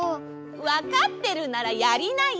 わかってるならやりなよ！